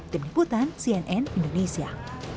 tim liputan cnn indonesia